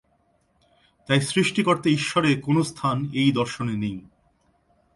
তাই সৃষ্টিকর্তা ঈশ্বরের কোনো স্থান এই দর্শনে নেই।